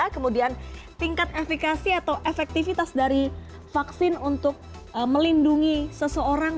kemudian tingkat efekasi atau efektivitas dari vaksin untuk melindungi seseorang